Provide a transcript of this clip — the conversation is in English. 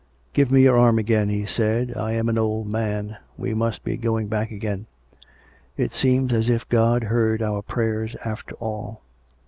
" Give me your arm again," he said, " I am an old man. We must be going back again. It seems as if God heard our prayers after all.